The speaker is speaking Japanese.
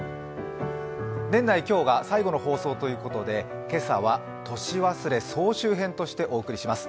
年内今日が最後の放送ということで今朝は「年忘れ総集編」としてお送りします。